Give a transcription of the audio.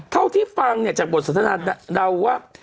เท่าที่ฟังเนี่ยจากบทสนทนาเดาว่า